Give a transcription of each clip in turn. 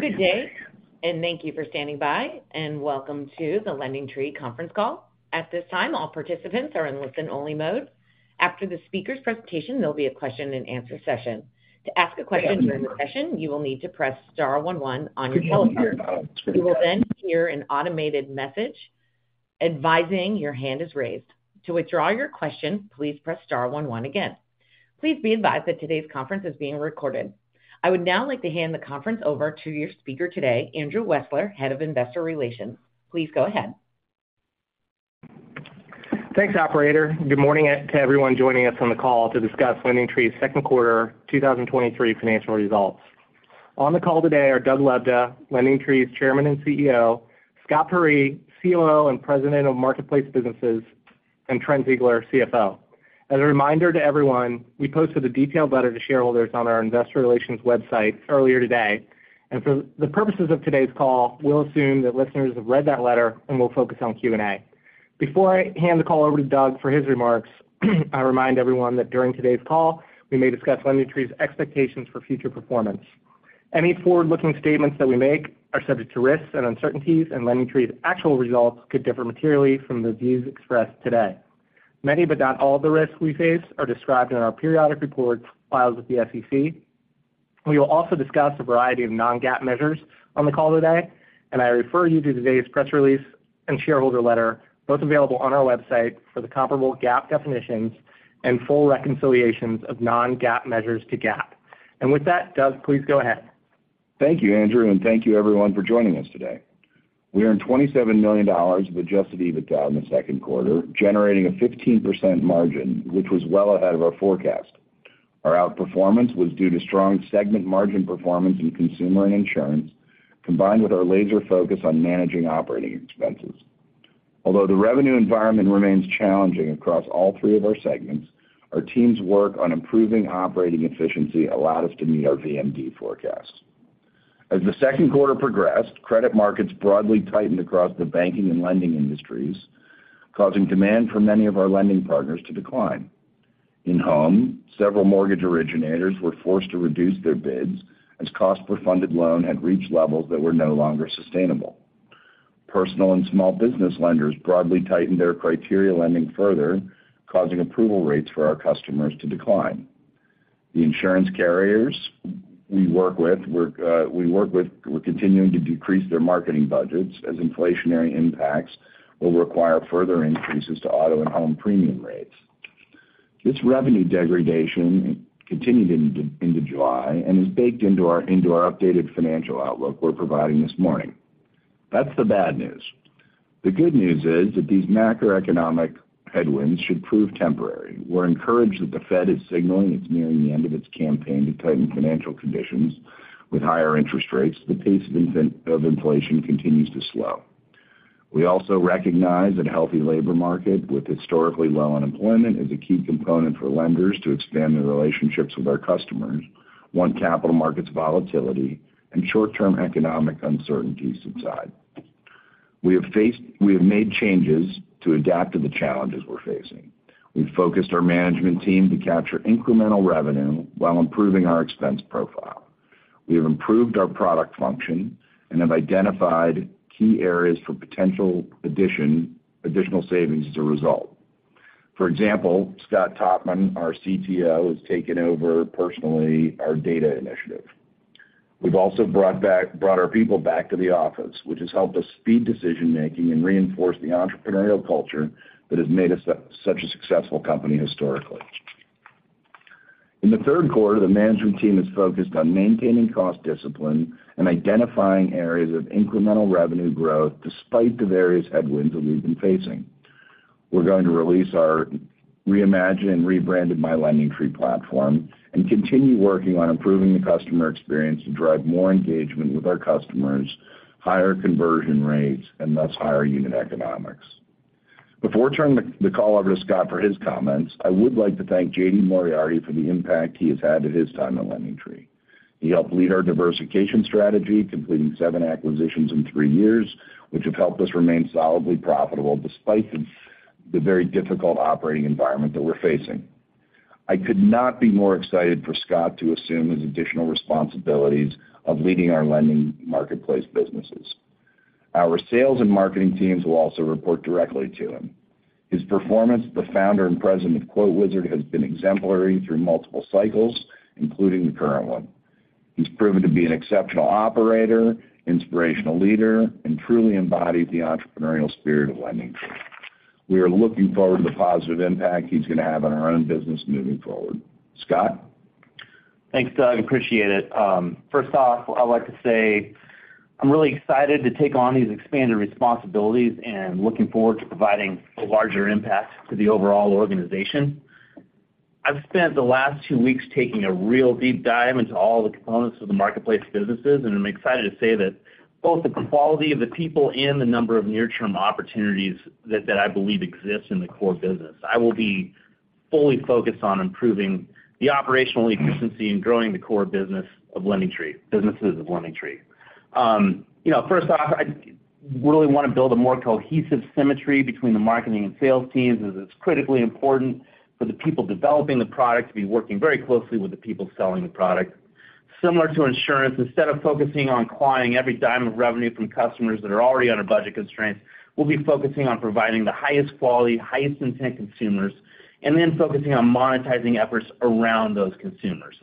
Good day, thank you for standing by, and welcome to the LendingTree conference call. At this time, all participants are in listen-only mode. After the speaker's presentation, there'll be a question-and-answer session. To ask a question during the session, you will need to press star one one on your telephone. You will hear an automated message advising your hand is raised. To withdraw your question, please press star one one again. Please be advised that today's conference is being recorded. I would now like to hand the conference over to your speaker today, Andrew Wessler, Head of Investor Relations. Please go ahead. Thanks, operator. Good morning to everyone joining us on the call to discuss LendingTree's Q2 2023 financial results. On the call today are Doug Lebda, LendingTree's Chairman and CEO, Scott Peyree, COO and President of Marketplace Businesses, and Trent Ziegler, CFO. As a reminder to everyone, we posted a detailed letter to shareholders on our investor relations website earlier today. For the purposes of today's call, we'll assume that listeners have read that letter and will focus on Q&A. Before I hand the call over to Doug for his remarks, I remind everyone that during today's call, we may discuss LendingTree's expectations for future performance. Any forward-looking statements that we make are subject to risks and uncertainties. LendingTree's actual results could differ materially from the views expressed today. Many, but not all, of the risks we face are described in our periodic reports filed with the SEC. We will also discuss a variety of non-GAAP measures on the call today, and I refer you to today's press release and shareholder letter, both available on our website, for the comparable GAAP definitions and full reconciliations of non-GAAP measures to GAAP. With that, Doug, please go ahead. Thank you, Andrew. Thank you everyone for joining us today. We earned $27 million of adjusted EBITDA in the Q2, generating a 15% margin, which was well ahead of our forecast. Our outperformance was due to strong segment margin performance in consumer and insurance, combined with our laser focus on managing operating expenses. Although the revenue environment remains challenging across all three of our segments, our team's work on improving operating efficiency allowed us to meet our VMD forecasts. As the Q2 progressed, credit markets broadly tightened across the banking and lending industries, causing demand for many of our lending partners to decline. In home, several mortgage originators were forced to reduce their bids as cost per funded loan had reached levels that were no longer sustainable. Personal and small business lenders broadly tightened their criteria lending further, causing approval rates for our customers to decline. The insurance carriers we work with were continuing to decrease their marketing budgets as inflationary impacts will require further increases to auto and home premium rates. This revenue degradation continued into July and is baked into our updated financial outlook we're providing this morning. That's the bad news. The good news is that these macroeconomic headwinds should prove temporary. We're encouraged that the Fed is signaling it's nearing the end of its campaign to tighten financial conditions. With higher interest rates, the pace of inflation continues to slow. We also recognize that a healthy labor market with historically low unemployment is a key component for lenders to expand their relationships with our customers, one, capital markets volatility and short-term economic uncertainties subside. We have made changes to adapt to the challenges we're facing. We've focused our management team to capture incremental revenue while improving our expense profile. We have improved our product function and have identified key areas for potential additional savings as a result. For example, Scott Totman, our CTO, has taken over personally our data initiative. We've also brought our people back to the office, which has helped us speed decision-making and reinforce the entrepreneurial culture that has made us such a successful company historically. In the Q3, the management team is focused on maintaining cost discipline and identifying areas of incremental revenue growth despite the various headwinds that we've been facing. We're going to release our reimagined and rebranded My LendingTree platform and continue working on improving the customer experience to drive more engagement with our customers, higher conversion rates, and thus higher unit economics. Before turning the call over to Scott for his comments, I would like to thank J.D. Moriarty for the impact he has had in his time at LendingTree. He helped lead our diversification strategy, completing 7 acquisitions in 3 years, which have helped us remain solidly profitable despite the very difficult operating environment that we're facing. I could not be more excited for Scott to assume his additional responsibilities of leading our lending marketplace businesses. Our sales and marketing teams will also report directly to him. His performance as the founder and president of QuoteWizard has been exemplary through multiple cycles, including the current one. He's proven to be an exceptional operator, inspirational leader, and truly embodies the entrepreneurial spirit of LendingTree. We are looking forward to the positive impact he's going to have on our own business moving forward. Scott? Thanks, Doug. Appreciate it. First off, I'd like to say I'm really excited to take on these expanded responsibilities and looking forward to providing a larger impact to the overall organization. I've spent the last two weeks taking a real deep dive into all the components of the marketplace businesses, and I'm excited to say that both the quality of the people and the number of near-term opportunities that I believe exist in the core business. I will be fully focused on improving the operational efficiency and growing the core businesses of LendingTree. you know, first off, I... We really want to build a more cohesive symmetry between the marketing and sales teams, as it's critically important for the people developing the product to be working very closely with the people selling the product. Similar to insurance, instead of focusing on clawing every dime of revenue from customers that are already under budget constraints, we'll be focusing on providing the highest quality, highest intent consumers, and then focusing on monetizing efforts around those consumers.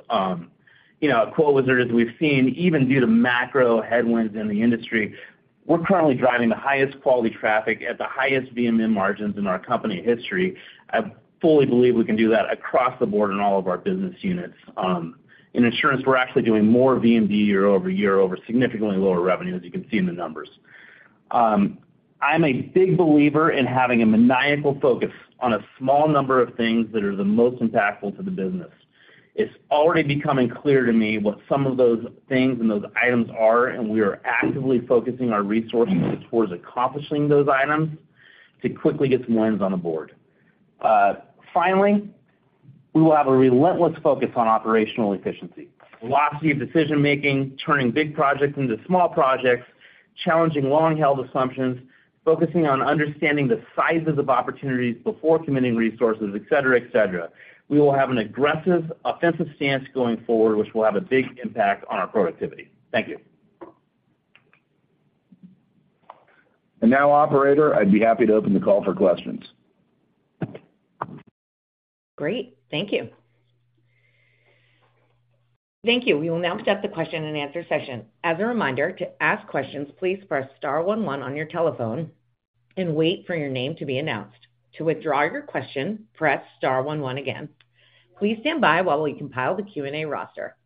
You know, at QuoteWizard, as we've seen, even due to macro headwinds in the industry, we're currently driving the highest quality traffic at the highest VMM margins in our company history. I fully believe we can do that across the board in all of our business units. In insurance, we're actually doing more VMD year-over-year, over significantly lower revenue, as you can see in the numbers. I'm a big believer in having a maniacal focus on a small number of things that are the most impactful to the business. It's already becoming clear to me what some of those things and those items are, and we are actively focusing our resources towards accomplishing those items to quickly get some wins on the board. Finally, we will have a relentless focus on operational efficiency, velocity of decision making, turning big projects into small projects, challenging long-held assumptions, focusing on understanding the sizes of opportunities before committing resources, et cetera, et cetera. We will have an aggressive offensive stance going forward, which will have a big impact on our productivity. Thank you. Now, operator, I'd be happy to open the call for questions. Great, thank you. Thank you. We will now set the question-and-answer session. As a reminder, to ask questions, please press star one one on your telephone and wait for your name to be announced. To withdraw your question, press star one one again. Please stand by while we compile the Q&A roster.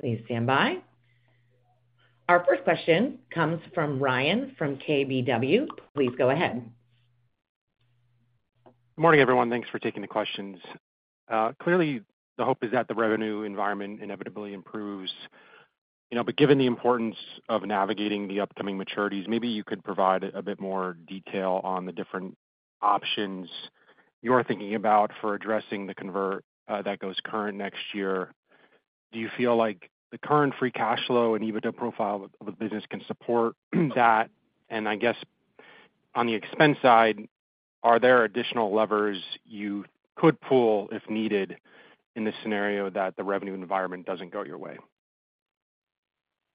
Please stand by. Our first question comes from Ryan from KBW. Please go ahead. Good morning, everyone. Thanks for taking the questions. Clearly, the hope is that the revenue environment inevitably improves, you know, but given the importance of navigating the upcoming maturities, maybe you could provide a bit more detail on the different options you're thinking about for addressing the convertible that goes current next year. Do you feel like the current free cash flow and EBITDA profile of the business can support that? I guess on the expense side, are there additional levers you could pull if needed in the scenario that the revenue environment doesn't go your way?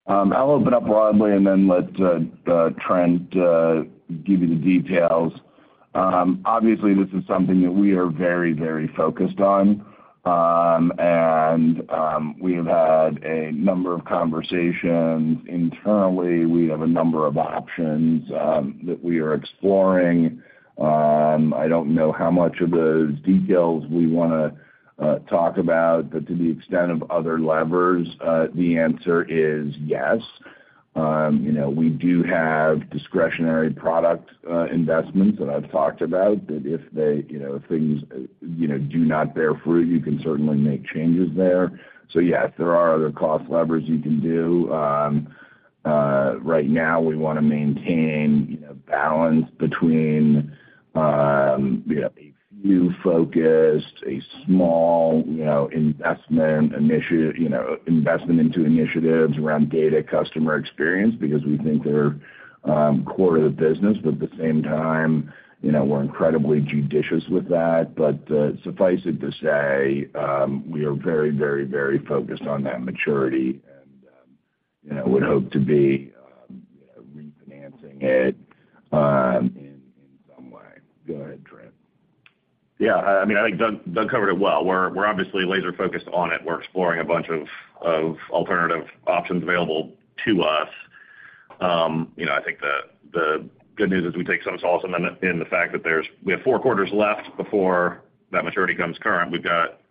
I'll open up broadly and then let Trent give you the details. Obviously, this is something that we are very, very focused on. We have had a number of conversations internally. We have a number of options that we are exploring. I don't know how much of those details we want to talk about, but to the extent of other levers, the answer is yes. You know, we do have discretionary product investments that I've talked about, that if they, you know, things, you know, do not bear fruit, you can certainly make changes there. Yes, there are other cost levers you can do. Right now, we want to maintain, you know, balance between, we have a few focused, a small, you know, investment initiative, you know, investment into initiatives around data, customer experience, because we think they're core to the business, but at the same time, you know, we're incredibly judicious with that. Suffice it to say, we are very, very, very focused on that maturity and, you know, would hope to be, you know, refinancing it in, in some way. Go ahead, Trent. Yeah, I mean, I think Doug covered it well. We're obviously laser focused on it. We're exploring a bunch of alternative options available to us. You know, I think the good news is we take some solace in the fact that we have four quarters left before that maturity comes current. We've got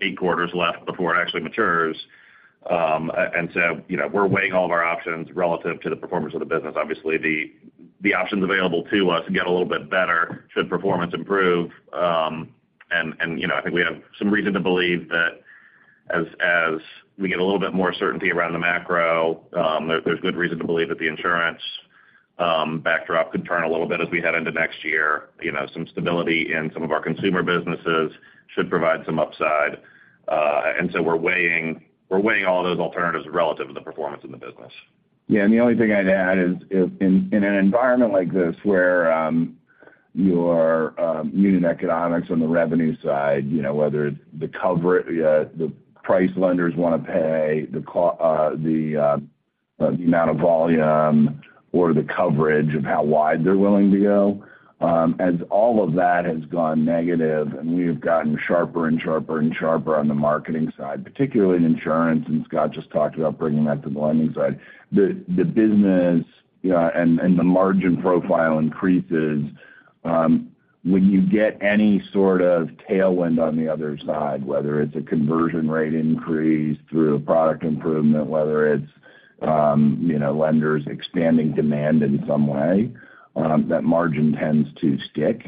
eight quarters left before it actually matures. You know, we're weighing all of our options relative to the performance of the business. Obviously, the options available to us get a little bit better should performance improve. You know, I think we have some reason to believe that as we get a little bit more certainty around the macro, there's good reason to believe that the insurance backdrop could turn a little bit as we head into next year. You know, some stability in some of our consumer businesses should provide some upside. We're weighing all of those alternatives relative to the performance of the business. Yeah, and the only thing I'd add is in an environment like this, where your unit economics on the revenue side, you know, whether it's the price lenders want to pay, the amount of volume or the coverage of how wide they're willing to go. As all of that has gone negative, and we have gotten sharper and sharper and sharper on the marketing side, particularly in insurance, and Scott just talked about bringing that to the lending side. The business and the margin profile increases when you get any sort of tailwind on the other side, whether it's a conversion rate increase through a product improvement, whether it's, you know, lenders expanding demand in some way, that margin tends to stick.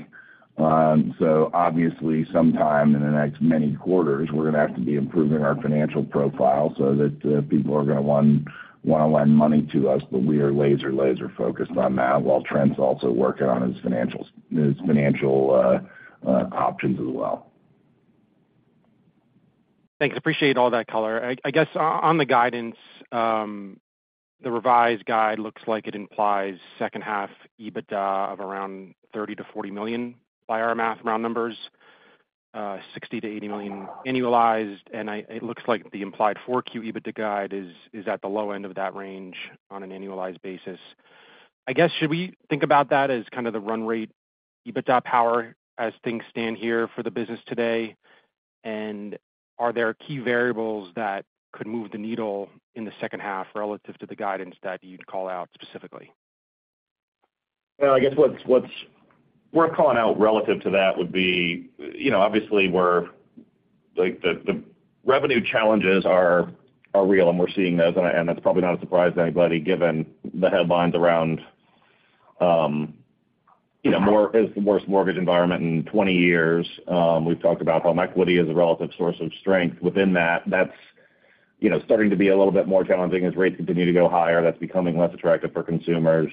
Obviously, sometime in the next many quarters, we're going to have to be improving our financial profile so that people are going to want to lend money to us. We are laser focused on that, while Trent's also working on his financial options as well. Thanks, appreciate all that color. I guess on the guidance, the revised guide looks like it implies second half EBITDA of around $30 million-$40 million by our math, round numbers, $60 million-$80 million annualized. It looks like the implied 4Q EBITDA guide is at the low end of that range on an annualized basis. I guess, should we think about that as kind of the run rate EBITDA power as things stand here for the business today? Are there key variables that could move the needle in the second half relative to the guidance that you'd call out specifically? Well, I guess what's worth calling out relative to that would be, you know, obviously, we're like, the revenue challenges are real, and we're seeing those, and that's probably not a surprise to anybody, given the headlines around, you know, it's the worst mortgage environment in 20 years. We've talked about home equity as a relative source of strength within that. That's, you know, starting to be a little bit more challenging as rates continue to go higher, that's becoming less attractive for consumers.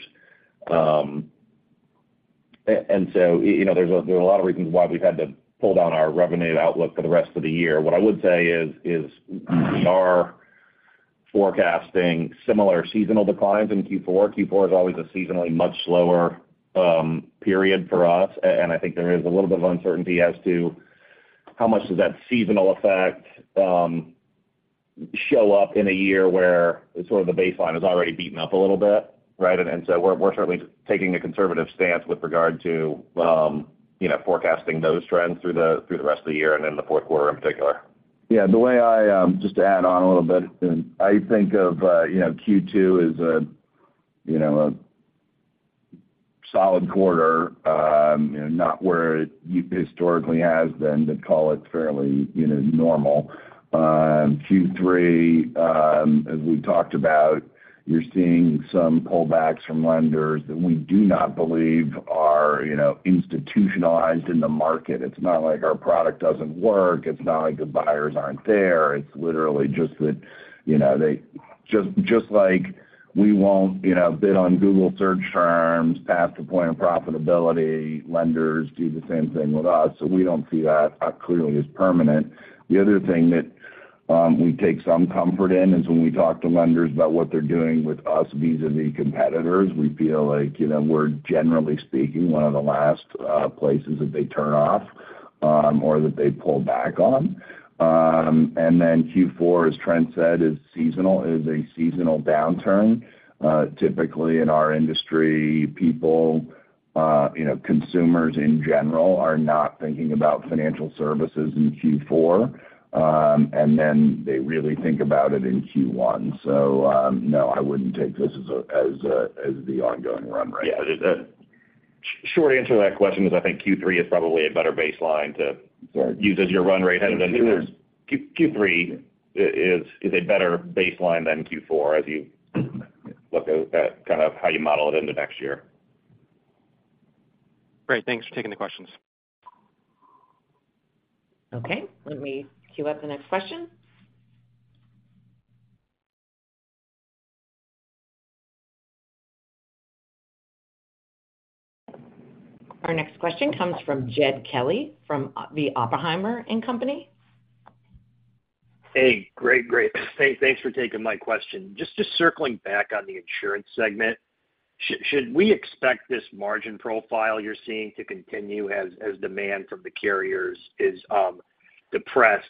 You know, there's a lot of reasons why we've had to pull down our revenue outlook for the rest of the year. What I would say is we are forecasting similar seasonal declines in Q4. Q4 is always a seasonally much slower, period for us, and I think there is a little bit of uncertainty as to how much does that seasonal effect, show up in a year where sort of the baseline is already beaten up a little bit, right? We're certainly taking a conservative stance with regard to, you know, forecasting those trends through the rest of the year and in the Q4 in particular. The way I, just to add on a little bit, I think of, you know, Q2 as a, you know, a solid quarter, you know, not where it historically has been, to call it fairly, you know, normal. Q3, as we talked about, you're seeing some pullbacks from lenders that we do not believe are, you know, institutionalized in the market. It's not like our product doesn't work. It's not like the buyers aren't there. It's literally just that, you know, they just like we won't, you know, bid on Google search terms, past the point of profitability, lenders do the same thing with us. We don't see that clearly as permanent. The other thing that we take some comfort in is when we talk to lenders about what they're doing with us vis-a-vis competitors, we feel like, you know, we're, generally speaking, one of the last places that they turn off or that they pull back on. Q4, as Trent said, is seasonal. It is a seasonal downturn. Typically in our industry, people, you know, consumers in general, are not thinking about financial services in Q4, and then they really think about it in Q1. No, I wouldn't take this as a, as a, as the ongoing run rate. Yeah, the short answer to that question is, I think Q3 is probably a better baseline. Sure. use as your run rate. Sure. Q3 is a better baseline than Q4 as you look at kind of how you model it into next year. Great. Thanks for taking the questions. Okay, let me queue up the next question. Our next question comes from Jed Kelly, from the Oppenheimer & Co. Hey, great. Thanks for taking my question. Just circling back on the insurance segment. Should we expect this margin profile you're seeing to continue as demand from the carriers is depressed?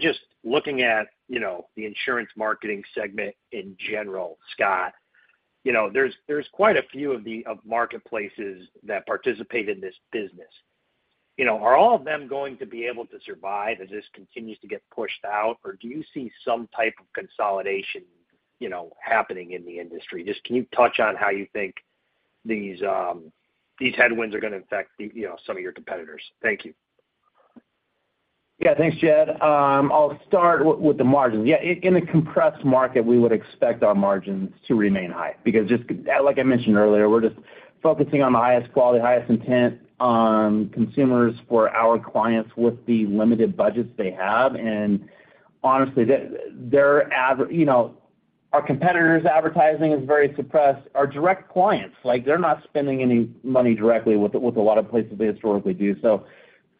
Just looking at, you know, the insurance marketing segment in general, Scott, you know, there's quite a few of marketplaces that participate in this business. You know, are all of them going to be able to survive as this continues to get pushed out, or do you see some type of consolidation, you know, happening in the industry? Just can you touch on how you think these headwinds are gonna affect the, you know, some of your competitors? Thank you. Yeah, thanks, Jed. I'll start with the margins. Yeah, in a compressed market, we would expect our margins to remain high because just like I mentioned earlier, we're just focusing on the highest quality, highest intent consumers for our clients with the limited budgets they have. Honestly, they're, you know, our competitors' advertising is very suppressed. Our direct clients, like, they're not spending any money directly with a lot of places they historically do.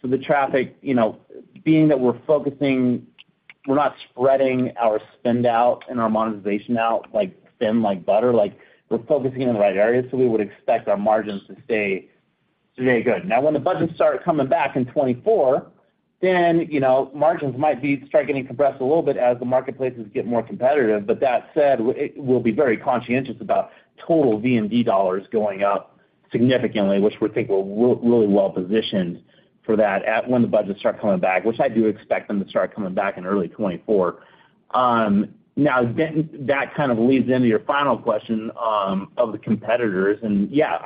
The traffic, you know, being that we're focusing, we're not spreading our spend out and our monetization out, like, thin like butter, like, we're focusing in the right areas, so we would expect our margins to stay good. When the budgets start coming back in 2024, then, you know, margins might start getting compressed a little bit as the marketplaces get more competitive. That said, we'll be very conscientious about total VMD dollars going up significantly, which we think we're really well positioned for that when the budgets start coming back, which I do expect them to start coming back in early 2024. Now, then that kind of leads into your final question of the competitors. Yeah,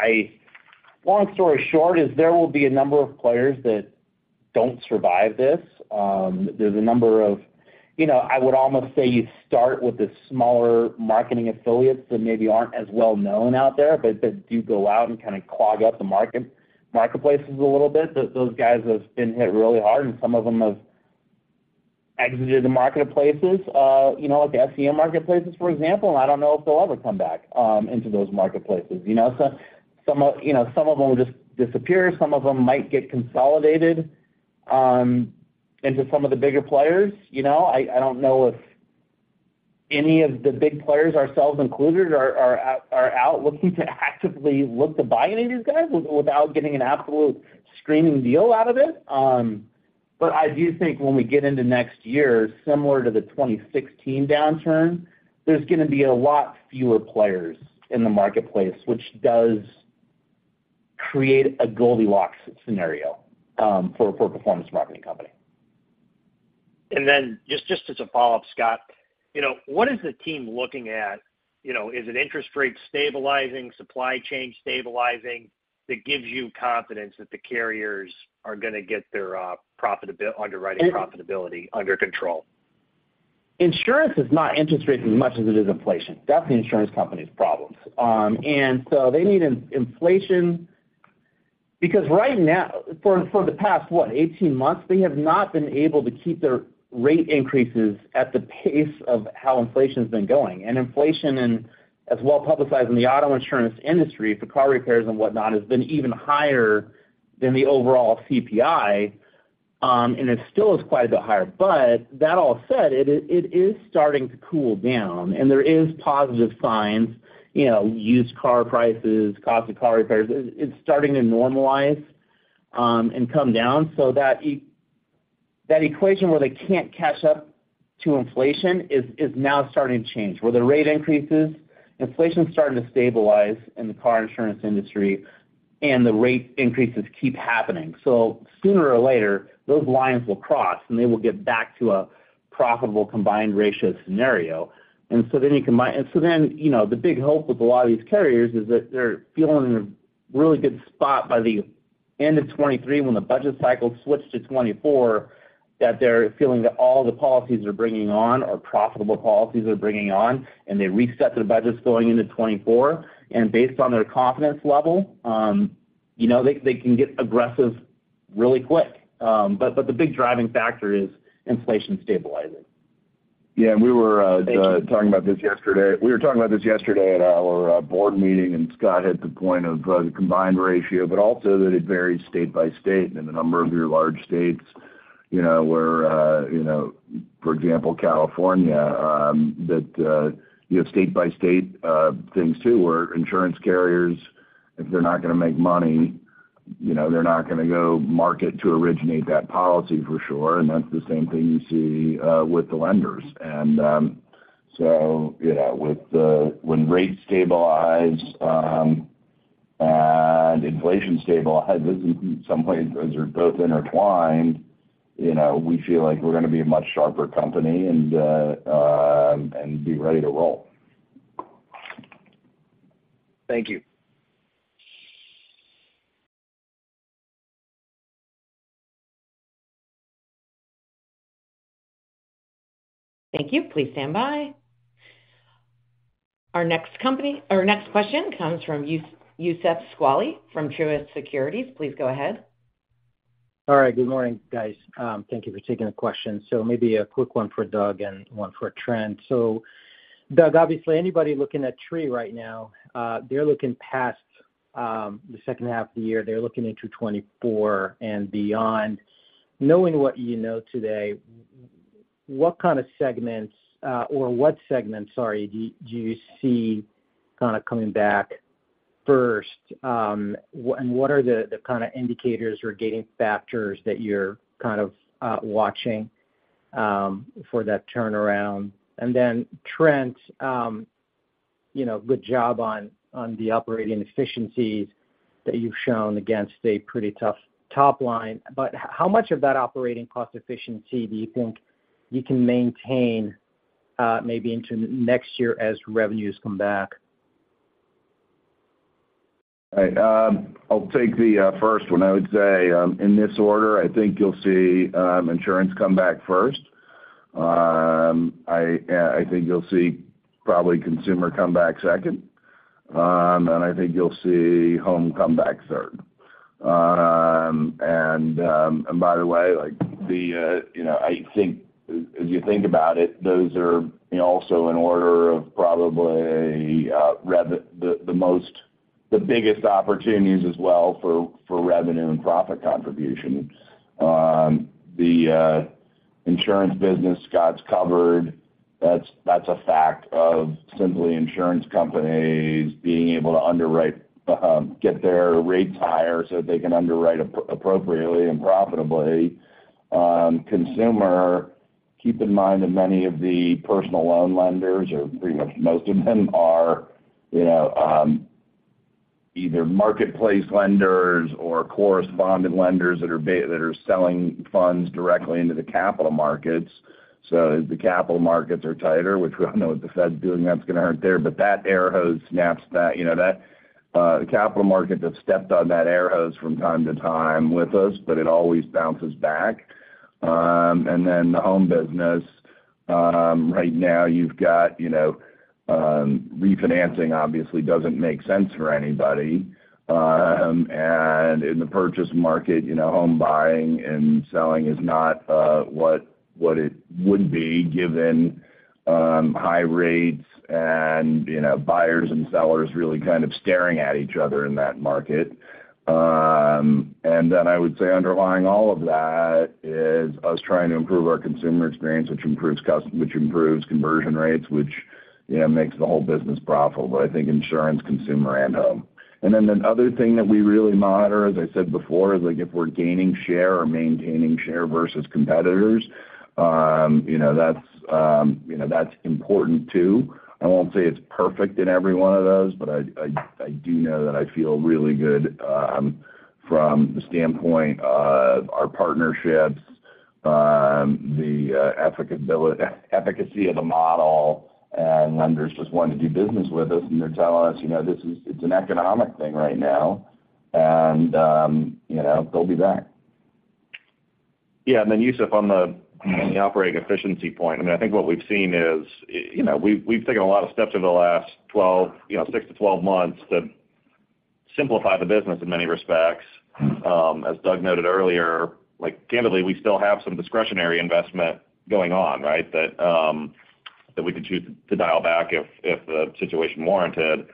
long story short, there will be a number of players that don't survive this. There's a number of, you know, I would almost say you start with the smaller marketing affiliates that maybe aren't as well known out there, but that do go out and kind of clog up the marketplaces a little bit. Those guys have been hit really hard, and some of them have exited the marketplaces. You know, like the SEM marketplaces, for example, I don't know if they'll ever come back into those marketplaces. You know, so some of, you know, some of them will just disappear, some of them might get consolidated into some of the bigger players, you know? I don't know if any of the big players, ourselves included, are out looking to actively look to buy any of these guys without getting an absolute screaming deal out of it. I do think when we get into next year, similar to the 2016 downturn, there's gonna be a lot fewer players in the marketplace, which does create a Goldilocks scenario, for a performance marketing company. Just as a follow-up, Scott, you know, what is the team looking at? You know, is it interest rates stabilizing, supply chain stabilizing, that gives you confidence that the carriers are gonna get their profitability, underwriting profitability under control? Insurance is not interest rates as much as it is inflation. That's the insurance company's problems. They need because right now, for the past, what? 18 months, they have not been able to keep their rate increases at the pace of how inflation's been going. Inflation, and as well publicized in the auto insurance industry, for car repairs and whatnot, has been even higher than the overall CPI, and it still is quite a bit higher. That all said, it is starting to cool down, and there is positive signs, you know, used car prices, cost of car repairs, it's starting to normalize, and come down. That equation where they can't catch up to inflation is now starting to change, where the rate increases, inflation is starting to stabilize in the car insurance industry, and the rate increases keep happening. Sooner or later, those lines will cross, and they will get back to a profitable combined ratio scenario. you know, the big hope with a lot of these carriers is that they're feeling in a really good spot by the end of 2023, when the budget cycle switched to 2024, that they're feeling that all the policies they're bringing on are profitable policies they're bringing on, and they reset their budgets going into 2024. Based on their confidence level, you know, they, they can get aggressive really quick. But the big driving factor is inflation stabilizing. Yeah, we were. Thank you. talking about this yesterday. We were talking about this yesterday at our board meeting, Scott hit the point of the combined ratio, but also that it varies state by state. A number of your large states, you know, where, you know, for example, California, that you have state by state things, too, where insurance carriers, if they're not gonna make money, you know, they're not gonna go market to originate that policy for sure, and that's the same thing you see with the lenders. You know, with the, when rates stabilize, and inflation stabilizes, in some ways, those are both intertwined, you know, we feel like we're gonna be a much sharper company and be ready to roll. Thank you. Thank you. Please stand by. Our next question comes from Youssef Squali from Truist Securities. Please go ahead. All right. Good morning, guys. Thank you for taking the question. Maybe a quick one for Doug and one for Trent. Doug, obviously, anybody looking at Tree right now, they're looking past the second half of the year. They're looking into 2024 and beyond. Knowing what you know today, what kind of segments, or what segments, sorry, do you see kind of coming back first? And what are the kind of indicators or gating factors that you're kind of watching for that turnaround? Trent, you know, good job on the operating efficiencies that you've shown against a pretty tough top line. How much of that operating cost efficiency do you think you can maintain maybe into next year as revenues come back? I'll take the first one. I would say, in this order, I think you'll see insurance come back first. I think you'll see probably consumer come back second, and I think you'll see home come back third. By the way, like, you know, I think as you think about it, those are, you know, also an order of probably the most, the biggest opportunities as well for revenue and profit contribution. The insurance business, Scott's covered. That's a fact of simply insurance companies being able to underwrite, get their rates higher so they can underwrite appropriately and profitably. Consumer, keep in mind that many of the personal loan lenders, or pretty much most of them, are, you know, either marketplace lenders or correspondent lenders that are selling funds directly into the capital markets. The capital markets are tighter, which we all know with the Fed doing, that's gonna hurt there. That air hose snaps that. You know, that capital markets have stepped on that air hose from time to time with us, but it always bounces back. And then the home business, right now you've got, you know, refinancing obviously doesn't make sense for anybody. And in the purchase market, you know, home buying and selling is not what it would be given high rates and, you know, buyers and sellers really kind of staring at each other in that market. I would say underlying all of that is us trying to improve our consumer experience, which improves conversion rates, which, you know, makes the whole business profitable, I think insurance, consumer, and home. The other thing that we really monitor, as I said before, is like if we're gaining share or maintaining share versus competitors, you know, that's, you know, that's important too. I won't say it's perfect in every one of those, but I, I, I do know that I feel really good, from the standpoint of our partnerships, the efficacy of the model, and lenders just wanting to do business with us, and they're telling us, you know, this is, it's an economic thing right now, and, you know, they'll be back. Yeah, Yousuf, on the operating efficiency point, I mean, I think what we've seen is, you know, we've, we've taken a lot of steps over the last 12, you know, 6-12 months to simplify the business in many respects. As Doug noted earlier, like, candidly, we still have some discretionary investment going on, right? That, that we could choose to dial back if, if the situation warranted.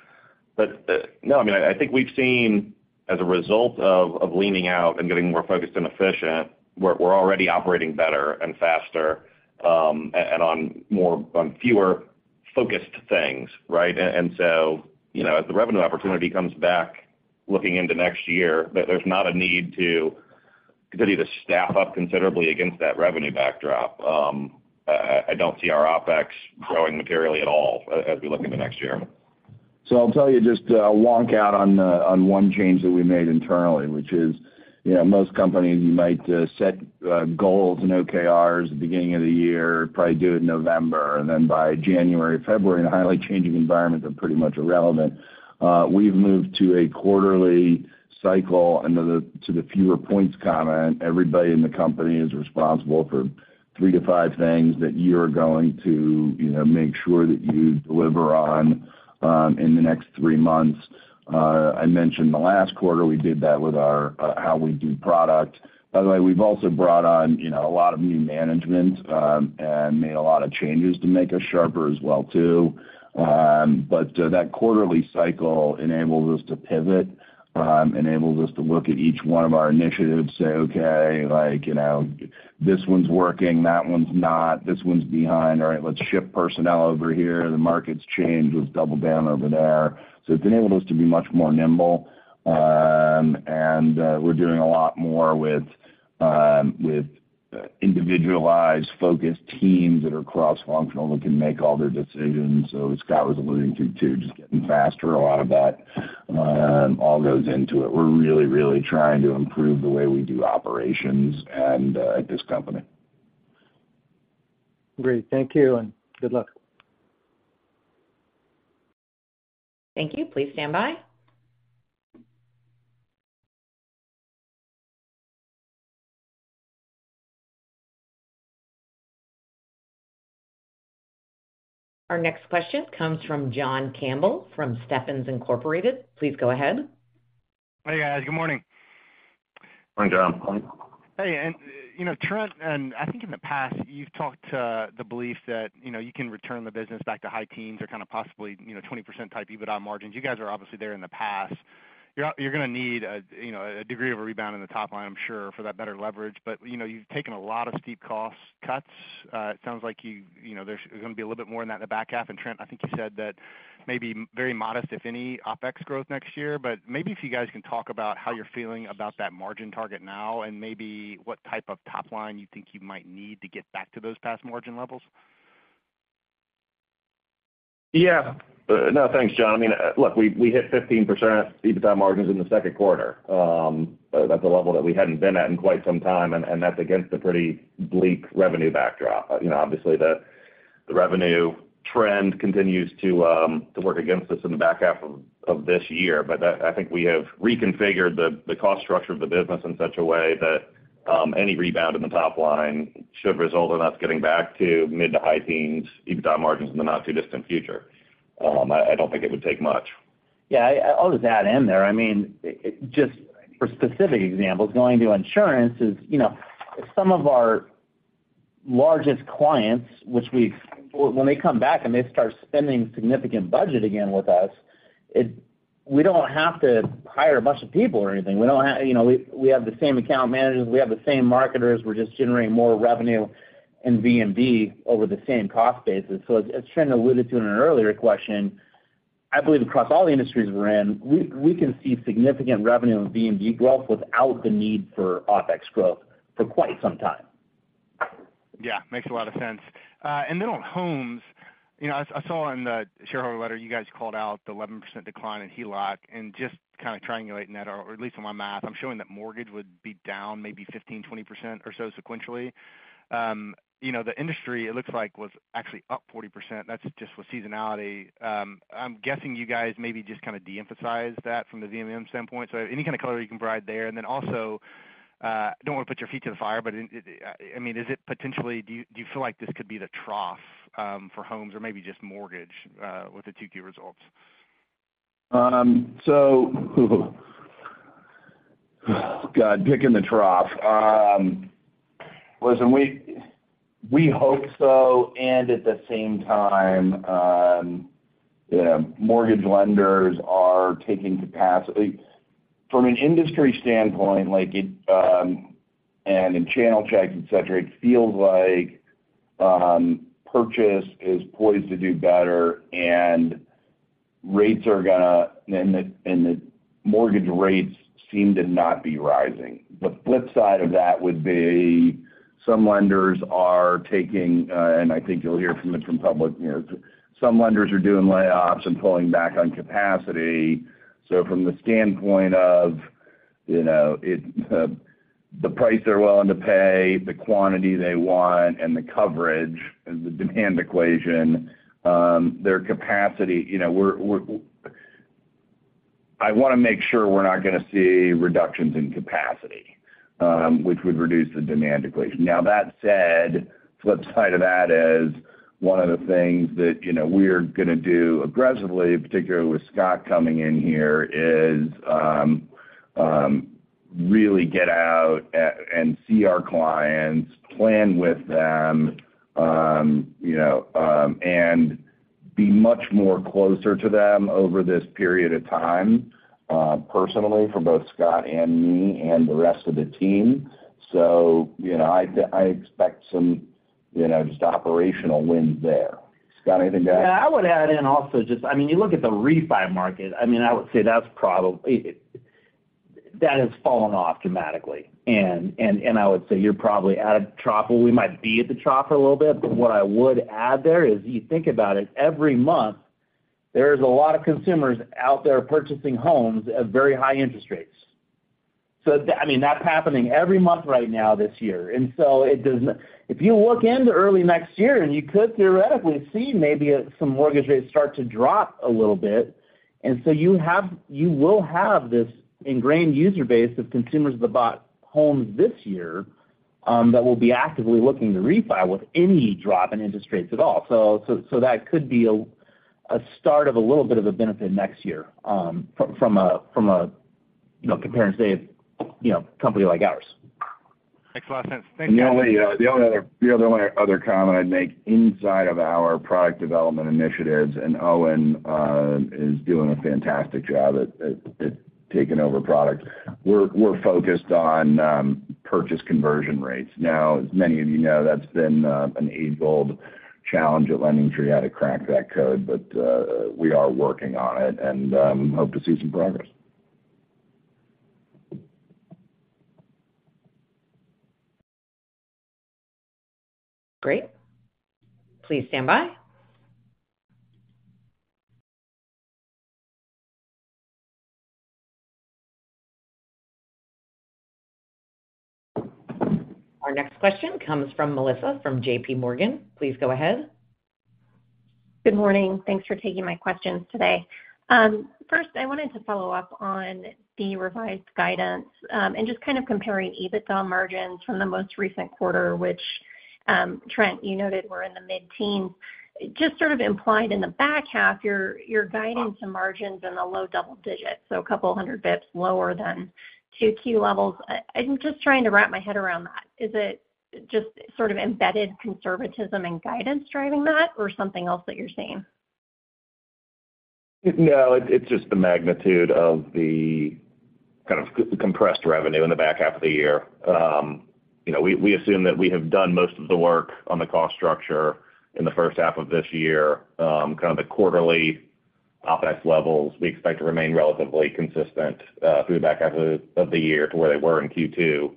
No, I mean, I think we've seen as a result of, of leaning out and getting more focused and efficient, we're, we're already operating better and faster, and on more, on fewer focused things, right? You know, as the revenue opportunity comes back, looking into next year, there, there's not a need to continue to staff up considerably against that revenue backdrop. I don't see our OpEx growing materially at all as we look into next year. I'll tell you just, wonk out on 1 change that we made internally, which is, you know, most companies might set goals and OKRs at the beginning of the year, probably do it in November, and then by January, February, in a highly changing environment, they're pretty much irrelevant. We've moved to a quarterly cycle, and to the, to the fewer points comment, everybody in the company is responsible for 3 to 5 things that you're going to, you know, make sure that you deliver on in the next 3 months. I mentioned the last quarter, we did that with our how we do product. By the way, we've also brought on, you know, a lot of new management and made a lot of changes to make us sharper as well, too. That quarterly cycle enables us to pivot, enables us to look at each one of our initiatives and say, okay, like, you know, this one's working, that one's not, this one's behind. All right, let's shift personnel over here. The market's changed. Let's double down over there. It's enabled us to be much more nimble, and we're doing a lot more with individualized, focused teams that are cross-functional, that can make all their decisions. As Scott was alluding to, too, just getting faster, a lot of that all goes into it. We're really trying to improve the way we do operations and at this company. Great. Thank you, and good luck. Thank you. Please stand by. Our next question comes from John Campbell from Stephens Inc. Please go ahead. Hey, guys. Good morning. Morning, John. Hey, you know, Trent, and I think in the past, you've talked to the belief that, you know, you can return the business back to high teens or kind of possibly, you know, 20% type EBITDA margins. You guys are obviously there in the past. You're gonna need a, you know, a degree of a rebound in the top line, I'm sure, for that better leverage. You know, you've taken a lot of steep cost cuts. It sounds like you, you know, there's gonna be a little bit more in that in the back half. Trent, I think you said that maybe very modest, if any, OpEx growth next year. Maybe if you guys can talk about how you're feeling about that margin target now, and maybe what type of top line you think you might need to get back to those past margin levels? Yeah. No, thanks, John. I mean, look, we hit 15% EBITDA margins in the Q2. That's a level that we hadn't been at in quite some time, and that's against a pretty bleak revenue backdrop. You know, obviously, the revenue trend continues to work against us in the back half of this year. I think we have reconfigured the cost structure of the business in such a way that any rebound in the top line should result in us getting back to mid to high teens EBITDA margins in the not too distant future. I don't think it would take much. Yeah, I, I'll just add in there, I mean, just for specific examples, going to insurance is, you know, some of our largest clients, which When they come back and they start spending significant budget again with us, we don't have to hire a bunch of people or anything. you know, we have the same account managers, we have the same marketers. We're just generating more revenue and VMD over the same cost basis. As Trent alluded to in an earlier question, I believe across all the industries we're in, we can see significant revenue and VMD growth without the need for OpEx growth for quite some time. Yeah, makes a lot of sense. On homes, you know, I, I saw in the shareholder letter, you guys called out the 11% decline in HELOC and just kind of triangulating that, or at least in my math, I'm showing that mortgage would be down maybe 15%-20% or so sequentially. You know, the industry, it looks like, was actually up 40%. That's just with seasonality. I'm guessing you guys maybe just kind of de-emphasized that from the VMM standpoint. Any kind of color you can provide there? Also, I don't want to put your feet to the fire, but, I mean, is it potentially, do, do you feel like this could be the trough for homes or maybe just mortgage with the 2Q results? God, picking the trough. Listen, we, we hope so, and at the same time, you know, mortgage lenders are taking capacity. From an industry standpoint, like it, and in channel checks, et cetera, it feels like purchase is poised to do better and rates and the mortgage rates seem to not be rising. The flip side of that would be some lenders are taking, and I think you'll hear from it from public, you know, some lenders are doing layoffs and pulling back on capacity. From the standpoint of, you know, it, the price they're willing to pay, the quantity they want, and the coverage and the demand equation, their capacity, you know, we're. I want to make sure we're not going to see reductions in capacity, which would reduce the demand equation. Now, that said, flip side of that is one of the things that, you know, we're going to do aggressively, particularly with Scott coming in here, is really get out and see our clients, plan with them, you know, and be much more closer to them over this period of time, personally, for both Scott and me and the rest of the team. You know, I expect some, you know, just operational wins there. Scott, anything to add? I would add in also just, I mean, you look at the refi market, I mean, I would say that has fallen off dramatically. I would say you're probably at a trough, or we might be at the trough for a little bit. What I would add there is, you think about it, every month, there's a lot of consumers out there purchasing homes at very high interest rates. I mean, that's happening every month right now this year. If you look into early next year, you could theoretically see maybe some mortgage rates start to drop a little bit, you will have this ingrained user base of consumers that bought homes this year, that will be actively looking to refi with any drop in interest rates at all. that could be a start of a little bit of a benefit next year, from a, you know, compared to, say, you know, a company like ours. Makes a lot of sense. Thanks, guys. The only other comment I'd make inside of our product development initiatives, and Owen is doing a fantastic job at taking over product. We're focused on purchase conversion rates. Now, as many of you know, that's been an age-old challenge at LendingTree, how to crack that code, but we are working on it and hope to see some progress. Great. Please stand by. Our next question comes from Melissa from JP Morgan. Please go ahead. Good morning. Thanks for taking my questions today. First, I wanted to follow up on the revised guidance, and just kind of comparing EBITDA margins from the most recent quarter, which, Trent, you noted were in the mid-teen. Just sort of implied in the back half, you're guiding some margins in the low double digits, so a couple of hundred basis points lower than 2Q levels. I'm just trying to wrap my head around that. Is it just sort of embedded conservatism and guidance driving that, or something else that you're seeing? It's just the magnitude of the kind of compressed revenue in the back half of the year. You know, we assume that we have done most of the work on the cost structure in the first half of this year. Kind of the quarterly OpEx levels, we expect to remain relatively consistent through the back half of the year to where they were in Q2.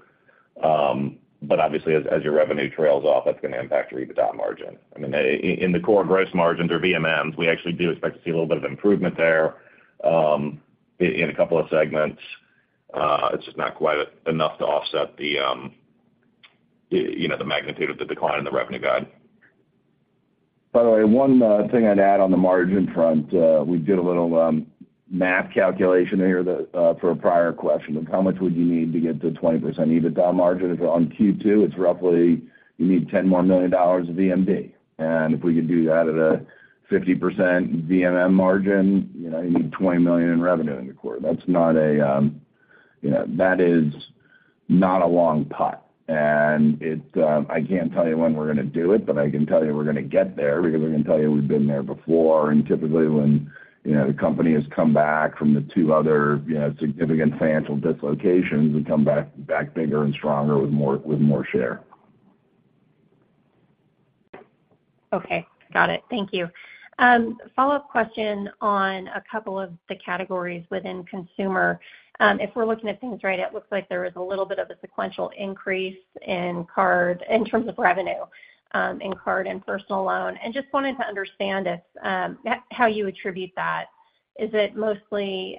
Obviously, as your revenue trails off, that's going to impact your EBITDA margin. I mean, in the core gross margins or VMMs, we actually do expect to see a little bit of improvement there, in 2 segments. It's just not quite enough to offset the, the, you know, the magnitude of the decline in the revenue guide. By the way, one thing I'd add on the margin front, we did a little math calculation here that for a prior question of how much would you need to get to 20% EBITDA margin. If on Q2, it's roughly you need $10 million more dollars of VMD. If we could do that at a 50% VMM margin, you know, you need $20 million in revenue in the quarter. That's not a, you know, that is not a long putt, and it I can't tell you when we're going to do it, but I can tell you we're going to get there because I can tell you we've been there before. Typically, when, you know, the company has come back from the 2 other, you know, significant financial dislocations, we come back bigger and stronger with more share. Okay. Got it. Thank you. Follow-up question on a couple of the categories within consumer. If we're looking at things right, it looks like there was a little bit of a sequential increase in card, in terms of revenue, in card and personal loan. Just wanted to understand if, how you attribute that? Is it mostly,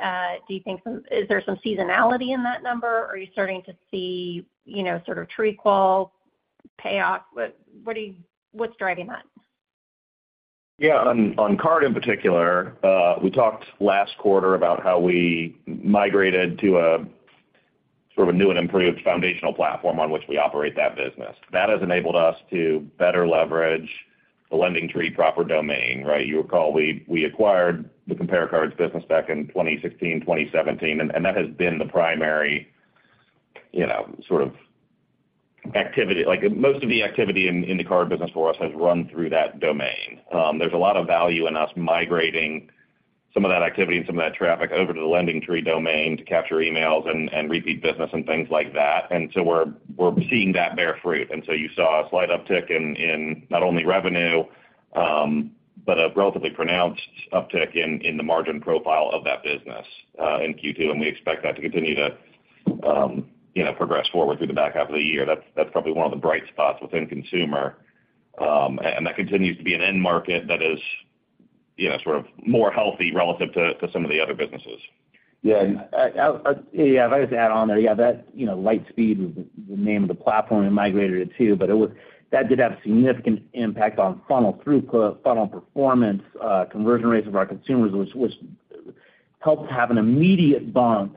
do you think is there some seasonality in that number, or are you starting to see, you know, sort of TreeQual payoff? What's driving that? Yeah. On, on card in particular, we talked last quarter about how we migrated to a sort of a new and improved foundational platform on which we operate that business. That has enabled us to better leverage the LendingTree proper domain, right? You recall, we acquired the CompareCards business back in 2016, 2017, and that has been the primary, you know, sort of activity. Like, most of the activity in the card business for us has run through that domain. There's a lot of value in us migrating some of that activity and some of that traffic over to the LendingTree domain to capture emails and repeat business and things like that. We're seeing that bear fruit. You saw a slight uptick in not only revenue, but a relatively pronounced uptick in the margin profile of that business in Q2. We expect that to continue to, you know, progress forward through the back half of the year. That's probably one of the bright spots within consumer. That continues to be an end market that is, you know, sort of more healthy relative to some of the other businesses. Yeah, if I just add on there, that, you know, Lightspeed was the name of the platform it migrated it to, that did have a significant impact on funnel throughput, funnel performance, conversion rates of our consumers, which helped have an immediate bump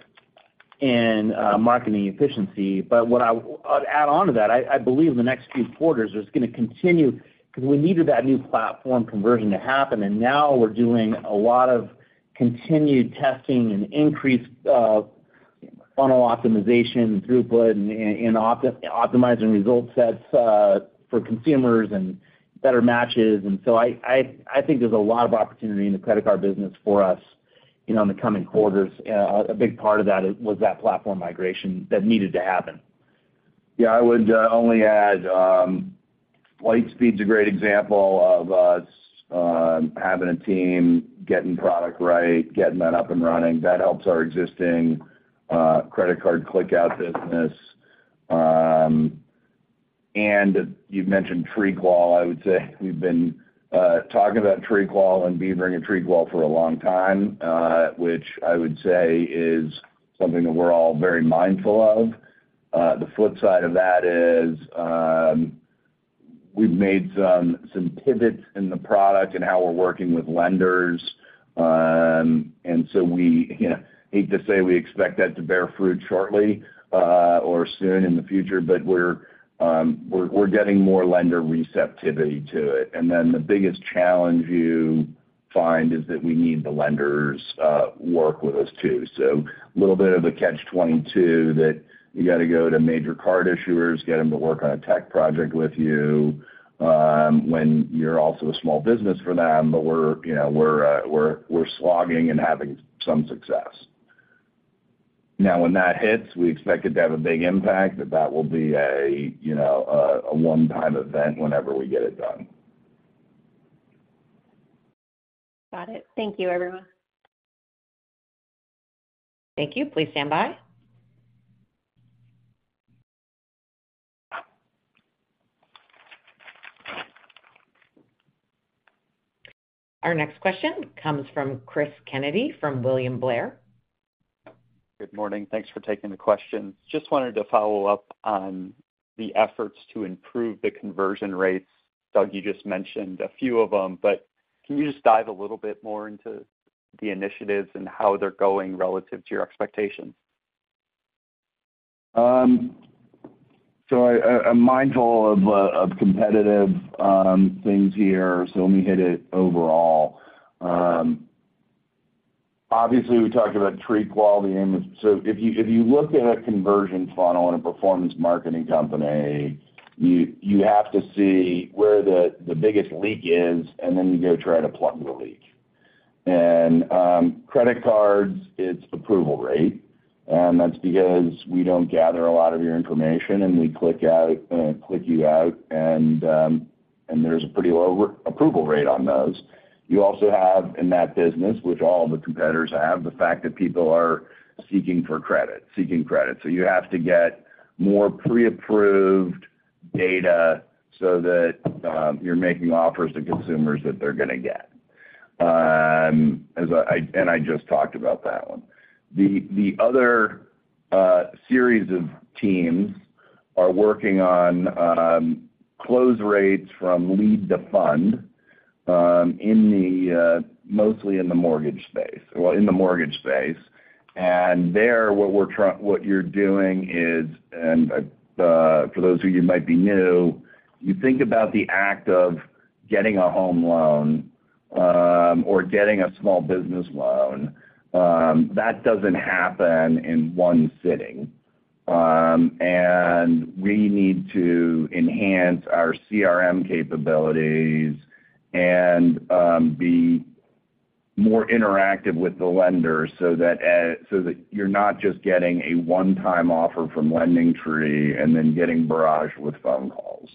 in marketing efficiency. What I'd add on to that, I believe the next few quarters is gonna continue, because we needed that new platform conversion to happen, and now we're doing a lot of continued testing and increased funnel optimization, throughput, and optimizing result sets for consumers and better matches. I think there's a lot of opportunity in the credit card business for us, you know, in the coming quarters. A big part of that was that platform migration that needed to happen. Yeah, I would only add, Lightspeed's a great example of us having a team, getting product right, getting that up and running. That helps our existing credit card click-out business. You've mentioned TreeQual. I would say we've been talking about TreeQual and beavering TreeQual for a long time, which I would say is something that we're all very mindful of. The flip side of that is, we've made some, some pivots in the product and how we're working with lenders. So we, you know, hate to say we expect that to bear fruit shortly, or soon in the future, but we're, we're getting more lender receptivity to it. Then the biggest challenge you find is that we need the lenders work with us, too. A little bit of a catch-22, that you gotta go to major card issuers, get them to work on a tech project with you, when you're also a small business for them. We're, you know, we're slogging and having some success. When that hits, we expect it to have a big impact, but that will be a, you know, a one-time event whenever we get it done. Got it. Thank you, everyone. Thank you. Please stand by. Our next question comes from Christopher Kennedy, from William Blair. Good morning. Thanks for taking the questions. Just wanted to follow up on the efforts to improve the conversion rates. Doug, you just mentioned a few of them, but can you just dive a little bit more into the initiatives and how they're going relative to your expectations? I'm mindful of competitive things here, so let me hit it overall. Obviously, we talked about TreeQual and... If you look at a conversion funnel in a performance marketing company, you have to see where the biggest leak is, and then you go try to plug the leak. Credit cards, it's approval rate, and that's because we don't gather a lot of your information, and we click out, click you out, and there's a pretty low approval rate on those. You also have in that business, which all the competitors have, the fact that people are seeking for credit, seeking credit. You have to get more pre-approved data, so that you're making offers to consumers that they're gonna get. As I... I just talked about that one. The other series of teams are working on close rates from lead to fund in the mortgage space. There, what you're doing is, and for those of you who might be new, you think about the act of getting a home loan or getting a small business loan. That doesn't happen in 1 sitting. We need to enhance our CRM capabilities and be more interactive with the lender so that you're not just getting a 1-time offer from LendingTree, and then getting barraged with phone calls.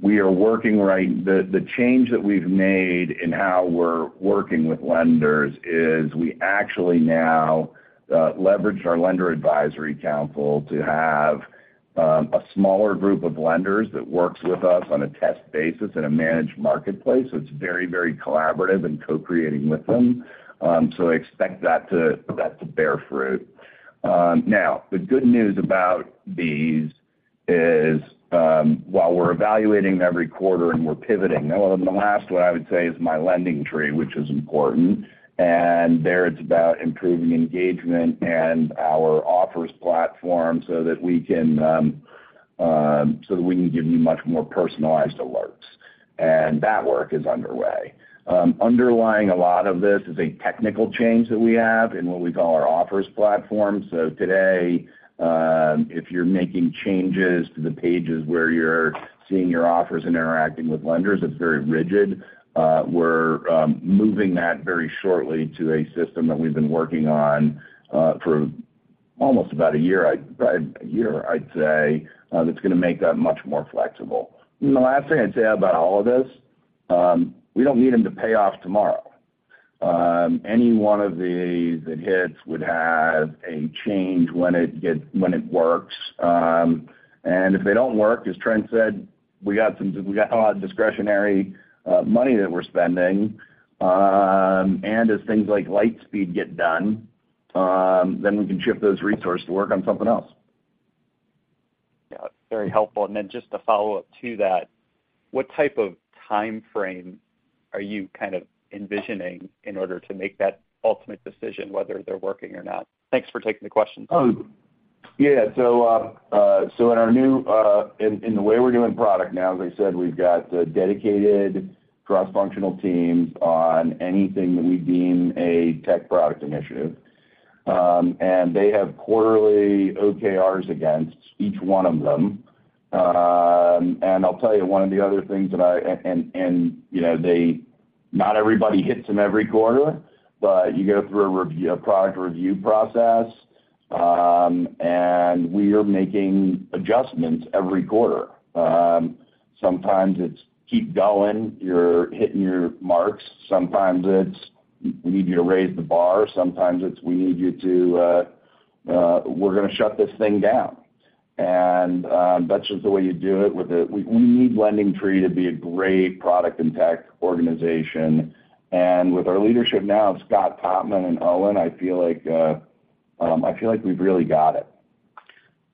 We are working the change that we've made in how we're working with lenders is we actually now leverage our lender advisory council to have a smaller group of lenders that works with us on a test basis in a managed marketplace. It's very collaborative and co-creating with them. I expect that to bear fruit. Now, the good news about these is while we're evaluating every quarter and we're pivoting, well, the last one I would say is My LendingTree, which is important. There, it's about improving engagement and our offers platform so that we can give you much more personalized alerts, and that work is underway. Underlying a lot of this is a technical change that we have in what we call our offers platform. Today, if you're making changes to the pages where you're seeing your offers and interacting with lenders, it's very rigid. We're moving that very shortly to a system that we've been working on for almost about 1 year. 1 year, I'd say, that's gonna make that much more flexible. The last thing I'd say about all of this, we don't need them to pay off tomorrow. Any 1 of these that hits would have a change when it works. If they don't work, as Trent said, we got a lot of discretionary money that we're spending. As things like Lightspeed get done, we can shift those resources to work on something else. Yeah, very helpful. Then just to follow up to that, what type of timeframe are you kind of envisioning in order to make that ultimate decision, whether they're working or not? Thanks for taking the question. Yeah. In our new, in the way we're doing product now, as I said, we've got dedicated cross-functional teams on anything that we deem a tech product initiative. They have quarterly OKRs against each one of them. I'll tell you one of the other things that I... you know, not everybody hits them every quarter, but you go through a review, a product review process, and we are making adjustments every quarter. Sometimes it's keep going, you're hitting your marks. Sometimes it's, we need you to raise the bar. Sometimes it's we need you to, we're gonna shut this thing down. That's just the way you do it with the... We need LendingTree to be a great product and tech organization. With our leadership now of Scott Totman and Owen, I feel like we've really got it.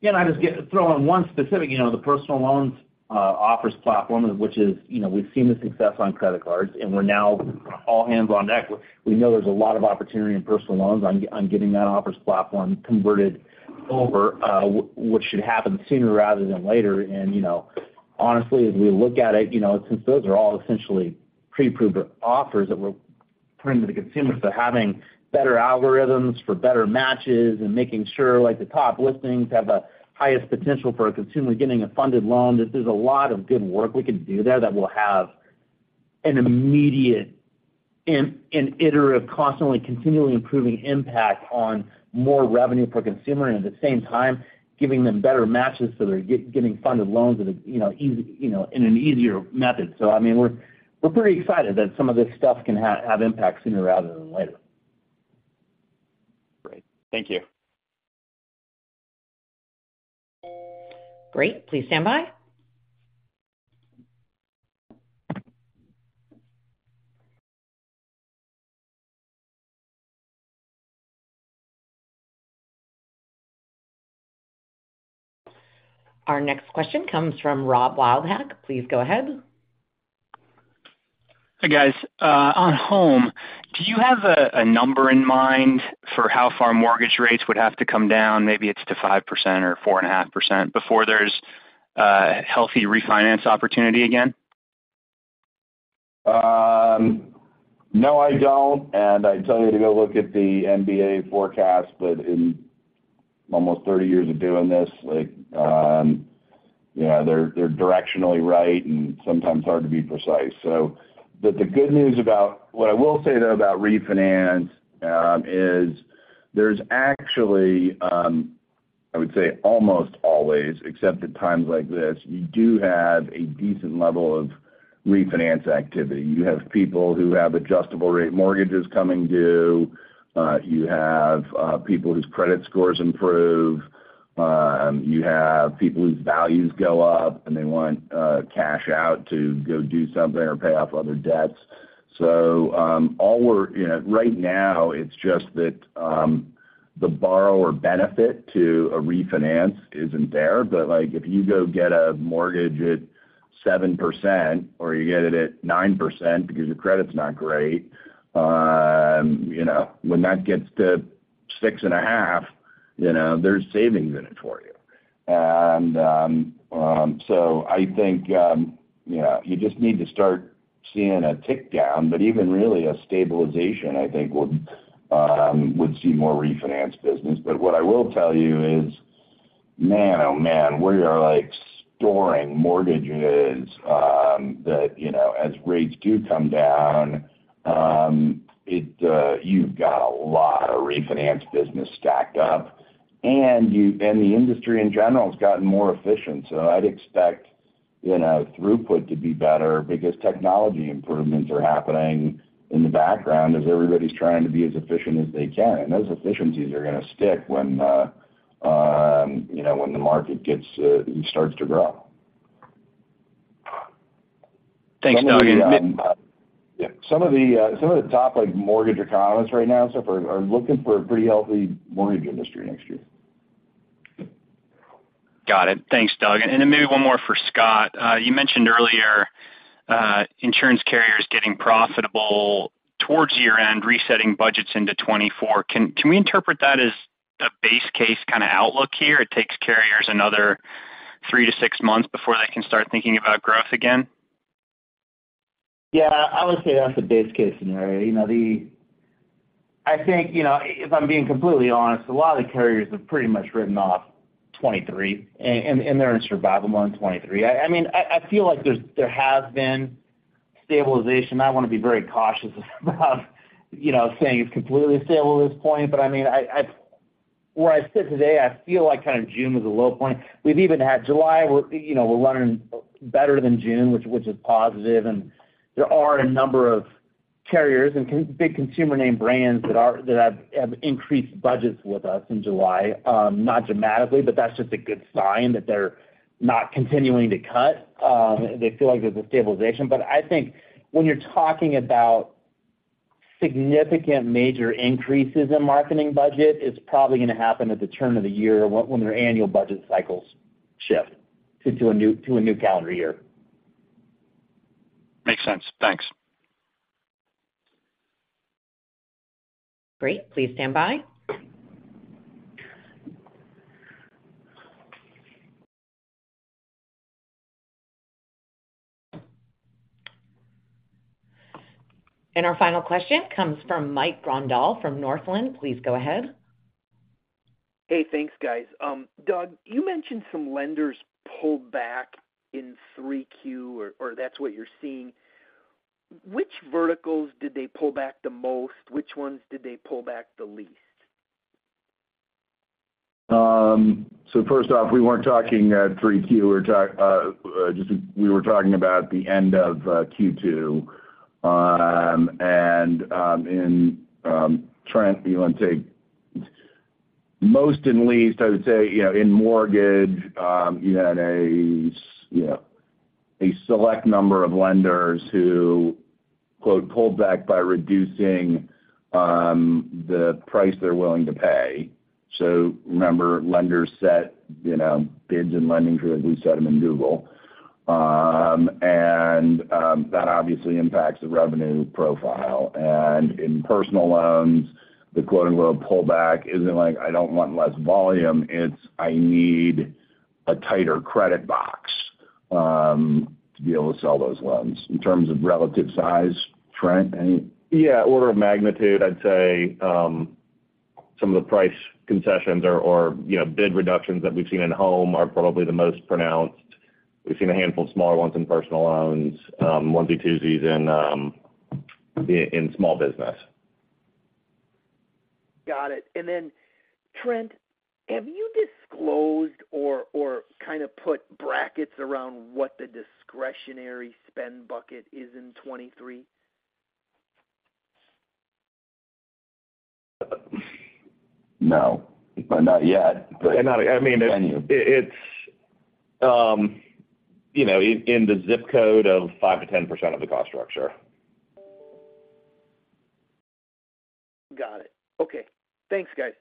Yeah, I just get to throw in one specific, you know, the personal loans offers platform, which is, you know, we've seen the success on credit cards, we're now all hands on deck. We know there's a lot of opportunity in personal loans on getting that offers platform converted over, which should happen sooner rather than later. You know, honestly, as we look at it, you know, since those are all essentially pre-approved offers that we're putting to the consumer. Having better algorithms for better matches and making sure, like, the top listings have the highest potential for a consumer getting a funded loan, this is a lot of good work we can do there that will have an immediate and iterative, constantly, continually improving impact on more revenue per consumer. At the same time, giving them better matches so they're getting funded loans at a, you know, easy, you know, in an easier method. I mean, we're pretty excited that some of this stuff can have impact sooner rather than later. Great. Thank you. Great. Please stand by. Our next question comes from Robert Wildhack. Please go ahead. Hi, guys. On home, do you have a number in mind for how far mortgage rates would have to come down? Maybe it's to 5% or 4.5%, before there's a healthy refinance opportunity again? No, I don't. I'd tell you to go look at the MBA forecast, but in almost 30 years of doing this, like, you know, they're, they're directionally right and sometimes hard to be precise. The good news about... What I will say, though, about refinance, is there's actually, I would say, almost always, except at times like this, you do have a decent level of refinance activity. You have people who have adjustable rate mortgages coming due, you have people whose credit scores improve, you have people whose values go up, and they want cash out to go do something or pay off other debts. All we're, you know, right now, it's just that, the borrower benefit to a refinance isn't there. If you go get a mortgage at 7%, or you get it at 9% because your credit's not great, you know, when that gets to 6.5, you know, there's savings in it for you. I think, you know, you just need to start seeing a tick down, but even really a stabilization, I think, would see more refinance business. Man, oh, man, we are like storing mortgages, that, you know, as rates do come down, it, you've got a lot of refinance business stacked up, and the industry in general has gotten more efficient. I'd expect, you know, throughput to be better because technology improvements are happening in the background as everybody's trying to be as efficient as they can. Those efficiencies are gonna stick when, you know, when the market gets starts to grow. Thanks, Doug. Some of the top, like, mortgage economists right now, are looking for a pretty healthy mortgage industry next year. Got it. Thanks, Doug. Maybe one more for Scott. You mentioned earlier, insurance carriers getting profitable towards year-end, resetting budgets into 2024. Can we interpret that as a base case kind of outlook here? It takes carriers another 3-6 months before they can start thinking about growth again? Yeah, I would say that's a base case scenario. You know, I think, you know, if I'm being completely honest, a lot of the carriers have pretty much written off 2023, and they're in survival mode in 2023. I mean, I feel like there has been stabilization. I wanna be very cautious about, you know, saying it's completely stable at this point. I mean, where I sit today, I feel like kind of June was a low point. We've even had July, you know, we're running better than June, which is positive. There are a number of carriers and big consumer name brands that have increased budgets with us in July. Not dramatically, but that's just a good sign that they're not continuing to cut. They feel like there's a stabilization. I think when you're talking about significant major increases in marketing budget, it's probably gonna happen at the turn of the year or when their annual budget cycles shift to a new calendar year. Makes sense. Thanks. Great. Please stand by. Our final question comes from Mike Grondahl from Northland. Please go ahead. Hey, thanks, guys. Doug, you mentioned some lenders pulled back in 3Q, or that's what you're seeing. Which verticals did they pull back the most? Which ones did they pull back the least? First off, we weren't talking, three Q. We were talking about the end of Q2. Trent, do you wanna take most and least? I would say, you know, in mortgage, you had, you know, a select number of lenders who, quote, "pulled back by reducing," the price they're willing to pay. Remember, lenders set, you know, bids in LendingTree, at least set them in Google. That obviously impacts the revenue profile. In personal loans, the, quote, unquote, "pullback" isn't like, I don't want less volume, it's I need a tighter credit box, to be able to sell those loans. In terms of relative size, Trent, any? Order of magnitude, I'd say, some of the price concessions or, you know, bid reductions that we've seen in home are probably the most pronounced. We've seen a handful of smaller ones in personal loans, onesie, twosies in small business. Got it. Then, Trent, have you disclosed or kind of put brackets around what the discretionary spend bucket is in 2023? No, not yet. I'm not. Can you? It's, you know, in the zip code of 5%-10% of the cost structure. Got it. Okay. Thanks, guys.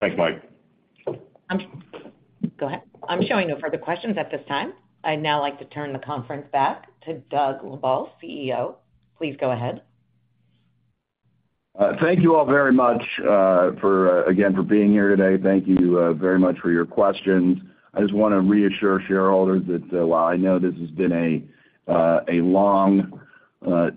Thanks, Mike. Go ahead. I'm showing no further questions at this time. I'd now like to turn the conference back to Doug Lebda, CEO. Please go ahead. Thank you all very much for, again, for being here today. Thank you very much for your questions. I just want to reassure shareholders that while I know this has been a long,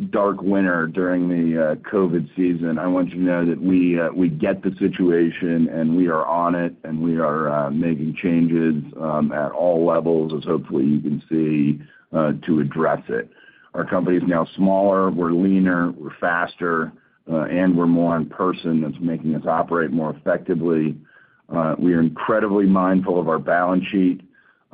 dark winter during the COVID season, I want you to know that we get the situation, and we are on it, and we are making changes at all levels, as hopefully you can see, to address it. Our company is now smaller, we're leaner, we're faster, and we're more in person. That's making us operate more effectively. We are incredibly mindful of our balance sheet,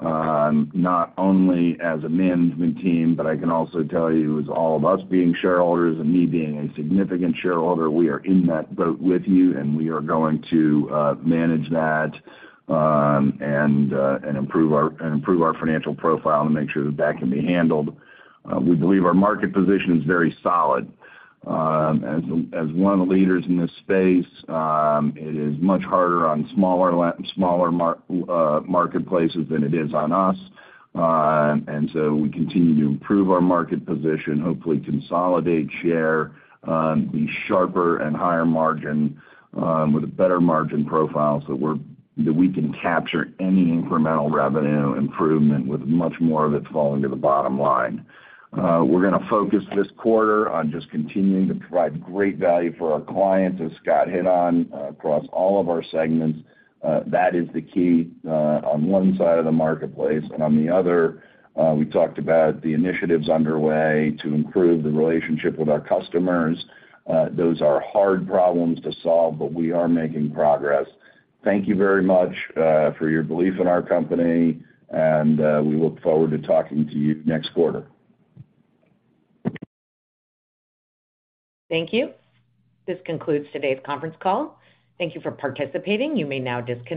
not only as a management team, but I can also tell you, as all of us being shareholders and me being a significant shareholder, we are in that boat with you. We are going to manage that and improve our financial profile to make sure that that can be handled. We believe our market position is very solid. As one of the leaders in this space, it is much harder on smaller marketplaces than it is on us. We continue to improve our market position, hopefully consolidate share, be sharper and higher margin, with a better margin profile so that we can capture any incremental revenue improvement with much more of it falling to the bottom line. We're gonna focus this quarter on just continuing to provide great value for our clients, as Scott hit on, across all of our segments. That is the key on one side of the marketplace and on the other, we talked about the initiatives underway to improve the relationship with our customers. Those are hard problems to solve, we are making progress. Thank you very much for your belief in our company, we look forward to talking to you next quarter. Thank you. This concludes today's conference call. Thank you for participating. You may now disconnect.